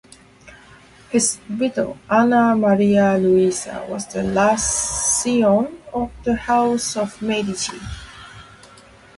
His widow Anna Maria Luisa was the last scion of the House of Medici.